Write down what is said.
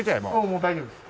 もう大丈夫です。